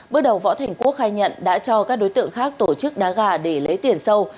bước đầu võ thành quốc khai nhận đã cho các đối tượng khác tổ chức đá gà để lấy tiền sâu